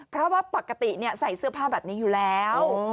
เพราะว่าปกติใส่เสื้อผ้าแบบนี้อยู่แล้ว